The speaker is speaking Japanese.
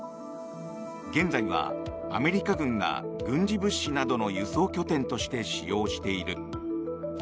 現在はアメリカ軍が軍事物資などの輸送拠点として使用している。